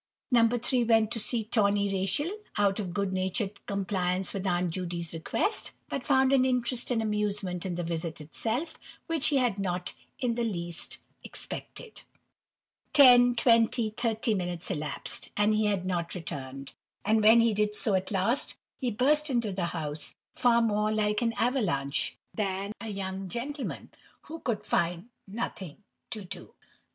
No. 3 went to see "Tawny Rachel," out of good natured compliance with Aunt Judy's request, but found an interest and amusement in the visit itself, which he had not in the least expected. Ten, twenty, thirty, minutes elapsed, and he had not returned; and when he did so at last, he burst into the house far more like an avalanche than a young gentleman who could find "nothing to do."